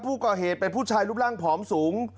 ผู้ก่อเหตุเป็นผู้ชายรูปร่างผอมสูง